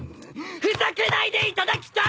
ふざけないでいただきたい。